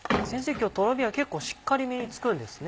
今日とろみは結構しっかりめにつくんですね。